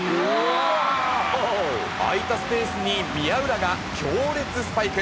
空いたスペースに宮浦が強烈スパイク。